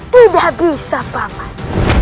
tidak bisa pamat